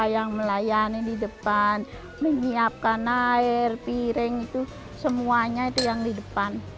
yang melayani di depan menyiapkan air piring itu semuanya itu yang di depan